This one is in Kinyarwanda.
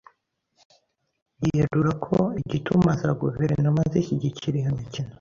yerura ko igituma za Guverinoma zishyigikira iyo imikino